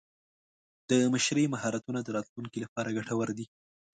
د مشرۍ مهارتونه د راتلونکي لپاره ګټور دي.